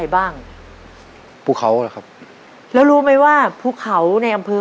อะไรบ้างผู้เขาน่ะครับแล้วรู้ไหมว่าผู้เขาในอำเพือ